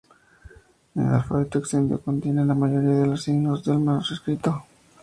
El alfabeto extendido contiene la mayoría de los signos del manuscrito.